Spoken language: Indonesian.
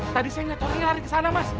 tadi saya liat orangnya lari ke sana mas